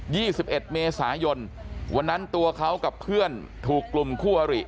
ี่สิบเอ็ดเมษายนวันนั้นตัวเขากับเพื่อนถูกกลุ่มคู่อริ